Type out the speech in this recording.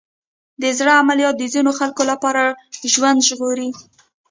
د زړه عملیات د ځینو خلکو لپاره ژوند ژغوري.